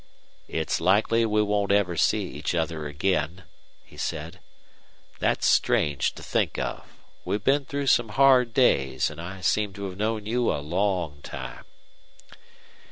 "It's likely we won't ever see each other again," he said. "That's strange to think of. We've been through some hard days, and I seem to have known you a long time."